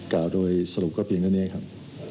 กล่าวโดยสรุปก็เพียงเท่านี้ครับ